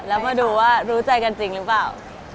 แล้วมาดูว่ารู้ใจกันจริงหรือเปล่า